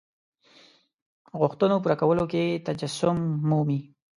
غوښتنو پوره کولو کې تجسم مومي.